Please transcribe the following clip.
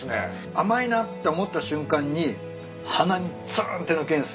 甘いなって思った瞬間に鼻につんって抜けるんすよ山ワサビが。